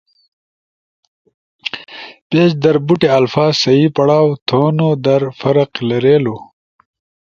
پیج در بوٹی الفاظ صحیح پڑاؤ تھونو در فرق لریلو۔